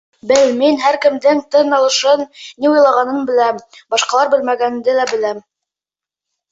Бел, мин һәр кемдең тын алышын, ни уйлағанын беләм, башҡалар белмәгәнде лә беләм.